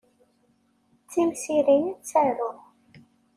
D timsirin i ttaruɣ.